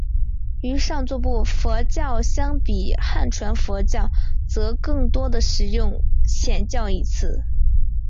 与上座部佛教相比汉传佛教则更多地使用显教一词。